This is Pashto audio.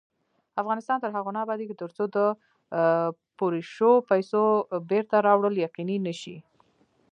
افغانستان تر هغو نه ابادیږي، ترڅو د پورې شوو پیسو بېرته راوړل یقیني نشي.